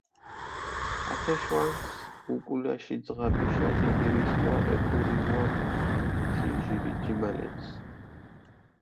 ათე შვანს უკულაში ძღაბიშა დიდი რისხვა ეკურინუაფუნა თი ჟირი ჯიმალენს.